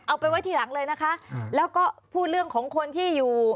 เอาไปไว้ทีหลังเลยนะคะแล้วก็พูดเรื่องของคนที่อยู่